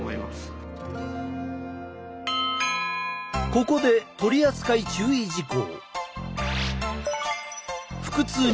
ここで取扱注意事項。